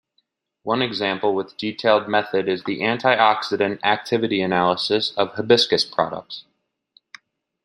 One example with detailed method is the antioxidant activity analysis of Hibiscus products.